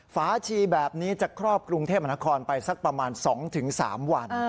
ฝาชีแบบนี้จะครอบกรุงเทพมหานครไปสักประมาณ๒๓วัน